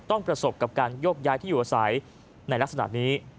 ประสบกับการโยกย้ายที่อยู่อาศัยในลักษณะนี้